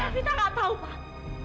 evita gak tahu pak